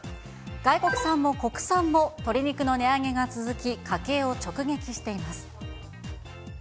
外国産も国産も、鶏肉の値上げが続き、家計を直撃しています。